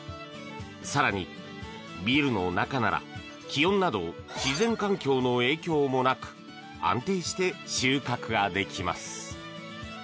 更に、ビルの中なら気温など自然環境の影響もなく安定して収穫ができます。